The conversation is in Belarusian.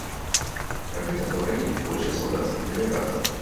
Пра гэта гаварылі і большасць салдацкіх дэлегатаў.